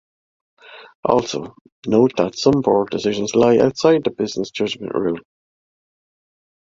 Also, note that some Board decisions lie outside the business judgment rule.